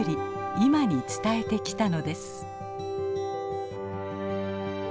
今に伝えてきたのです。